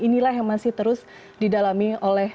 inilah yang masih terus didalami oleh